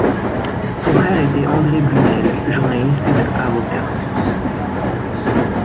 Son frère était André Blumel journaliste et avocat.